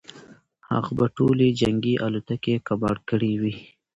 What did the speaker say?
هغه به ټولې جنګي الوتکې کباړ کړې وي.